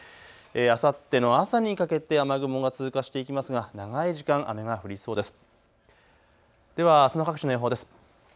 あさっての朝にかけて雨雲が通過していきますが長い時間、雨が降りそうです。